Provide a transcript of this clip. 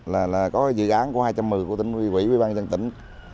là có dự án của hai trăm một mươi của tỉnh quỷ quý bang dân tỉnh